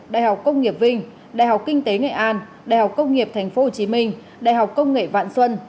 đại học công nghiệp vinh đại học kinh tế nghệ an đại học công nghiệp tp hcm đại học công nghệ vạn xuân